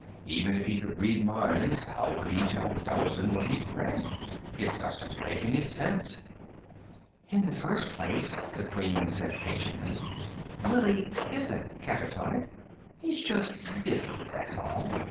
Even if he could read minds, how could he tell Dowson what he'd read? It doesn't make sense." "In the first place," the Queen said patiently, "Willie isn't catatonic. He's just busy, that's all.